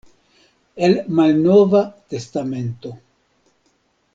El Malnova Testamento.